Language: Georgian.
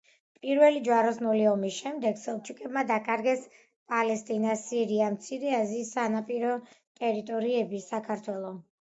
პირველი ჯვაროსნული ომის შემდეგ სელჩუკებმა დაკარგეს პალესტინა, სირია, მცირე აზიის სანაპირო ტერიტორიები, საქართველო.